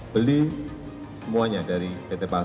beli semuanya dari pt palsu